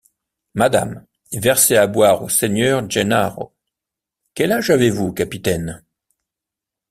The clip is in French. Madame, versez à boire au seigneur Gennaro. — Quel âge avez-vous, capitaine?